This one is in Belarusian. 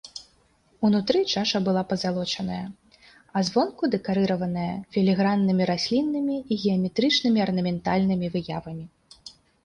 Унутры чаша была пазалочаная, а звонку дэкарыраваная філіграннымі расліннымі і геаметрычнымі арнаментальнымі выявамі.